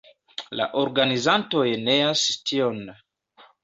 La organizantoj neas tion.